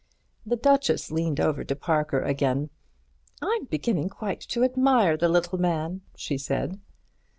The Duchess leaned over to Parker again. "I'm beginning quite to admire the little man," she said.